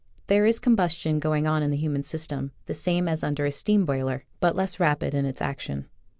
There is combustion going on in the human system, the same as under a steam boiler, but less rapid in its action.